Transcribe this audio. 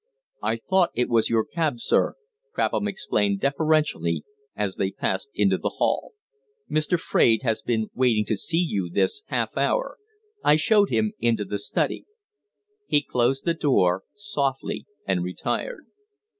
"I thought it was your cab, sir," Crapham explained deferentially as they passed into the hall. "Mr. Fraide has been waiting to see you this half hour. I showed him into the study." He closed the door; softly and retired.